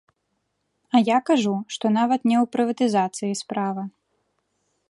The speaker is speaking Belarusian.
А я кажу, што нават не ў прыватызацыі справа.